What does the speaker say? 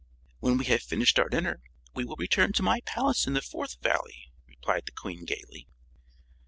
"When we have finished our dinner we will return to my palace in the Fourth Valley," replied the Queen, gaily.